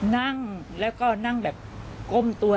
นั่งแล้วก็นั่งแบบก้มตัว